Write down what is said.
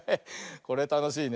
これたのしいね。